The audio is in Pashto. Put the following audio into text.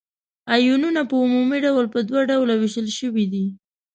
آیونونه په عمومي ډول په دوه ډلو ویشل شوي دي.